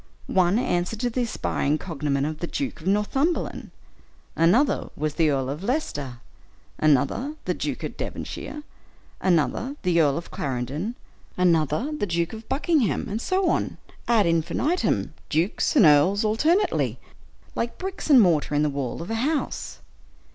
One answered to the aspiring cognomen of the Duke of Northumberland; another was the Earl of Leicester; another, the Duke of Devonshire; another, the Earl of Clarendon; another, the Duke of Buckingham; and so on, ad infinitum, dukes and earls alternately, like bricks and mortar in the wall of a house.